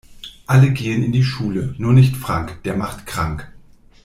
Alle gehen in die Schule, nur nicht Frank, der macht krank.